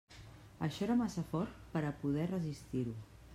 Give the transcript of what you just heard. Això era massa fort per a poder resistir-ho.